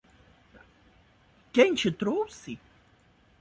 Quem te trouxe?